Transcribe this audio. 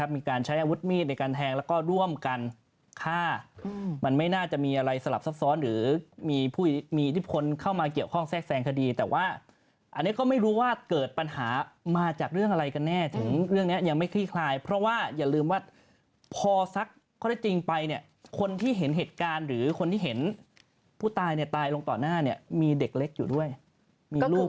มีการใช้อาวุธมีดในการแทงแล้วก็ร่วมกันฆ่ามันไม่น่าจะมีอะไรสลับซับซ้อนหรือมีผู้มีอิทธิพลเข้ามาเกี่ยวข้องแทรกแทรงคดีแต่ว่าอันนี้ก็ไม่รู้ว่าเกิดปัญหามาจากเรื่องอะไรกันแน่ถึงเรื่องนี้ยังไม่คลี่คลายเพราะว่าอย่าลืมว่าพอสักข้อได้จริงไปเนี่ยคนที่เห็นเหตุการณ์หรือคนที่เห็นผู้ตายเนี่ยตายลงต่อหน้าเนี่ยมีเด็กเล็กอยู่ด้วยมีลูก